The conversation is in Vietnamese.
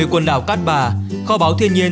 quần đảo cát bà kho báo thiên nhiên